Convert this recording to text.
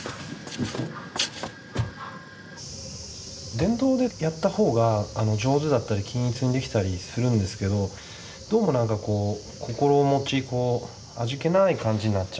電動でやった方が上手だったり均一にできたりするんですけどどうも何かこう心持ちこう味気ない感じになっちゃうんですよね。